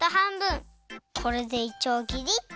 これでいちょうぎりっと。